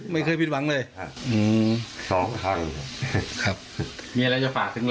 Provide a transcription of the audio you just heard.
ไม่เคยผิดหวังเลย